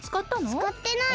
つかってない。